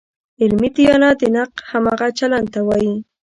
علمي دیانت د نقد همغه چلن ته وایي.